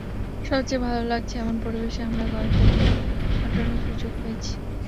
সবচেয়ে ভালো লাগছে, এমন পরিবেশে আমরা কয়েকটা দিন কাটানোর সুযোগ পেয়েছি।